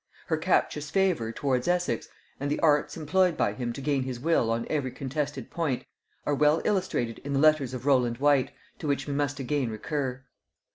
Her captious favor towards Essex, and the arts employed by him to gain his will on every contested point, are well illustrated in the letters of Rowland White, to which we must again recur.